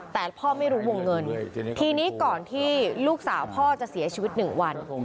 แต่พ่อไม่รู้วงเงินทีนี้ก่อนที่ลูกสาวพ่อจะเสียชีวิตหนึ่งวัน